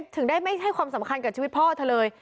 ถึงได้ไม่ให้ความสำคัญกับชีวิตพ่อเธอเลย